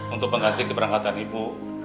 untuk mengganti keberangkatan ibu